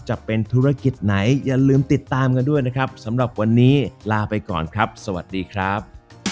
จะเป็นธุรกิจไหนอย่าลืมติดตามกันด้วยนะครับสำหรับวันนี้ลาไปก่อนครับสวัสดีครับ